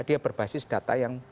dia berbasis data yang